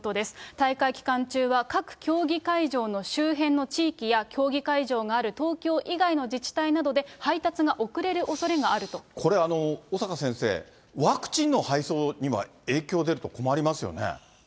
大会期間中は、各競技会場の周辺の地域や競技会場がある東京以外の自治体などで、これ、小坂先生、ワクチンの配送には影響が出ると困りますよね。